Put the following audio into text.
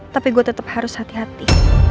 tapi gue tetap harus hati hati